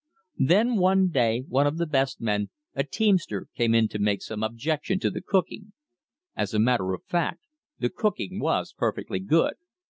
Then one day one of the best men, a teamster, came in to make some objection to the cooking. As a matter of fact, the cooking was perfectly good.